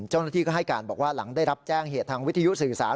เจ้าหน้าที่ก็ให้การบอกว่าหลังได้รับแจ้งเหตุทางวิทยุสื่อสาร